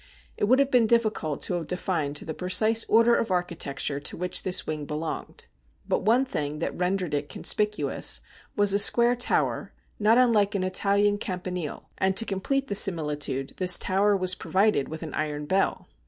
It would have been difficult to have defined the precise order of architecture to which this wing belonged. But one thing that rendered it conspicuous was a square tower, not unlike an Italian campanile, and to complete the similitude this tower was provided with an iron bell.